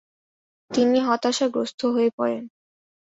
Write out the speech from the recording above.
তিনি হতাশাগ্রস্ত হয়ে পড়েন।